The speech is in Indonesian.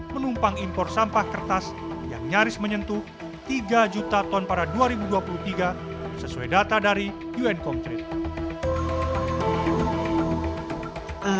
menumpang impor sampah kertas yang nyaris menyentuh tiga juta ton pada dua ribu dua puluh tiga sesuai data dari uncom treatment